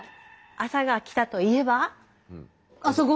朝が来たといえば？